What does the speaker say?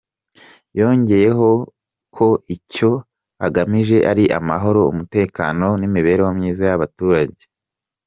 Yongeyeho ko icyo agamije ari amahoro, umutekano n'imibereho myiza y'abaturage.